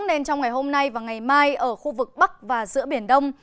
nên trong ngày hôm nay và ngày mai ở khu vực bắc và giữa biển đông